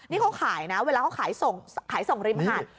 นี่เขาขายนะเวลาเขาขายส่งริมหาด